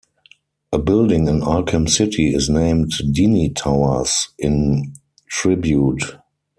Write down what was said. A building in Arkham City is named Dini Towers in tribute.